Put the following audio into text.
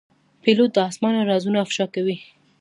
پیلوټ د آسمان رازونه افشا کوي.